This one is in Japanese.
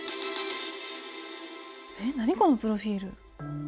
何このプロフィール。